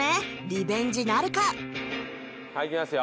リベンジなるかはいいきますよ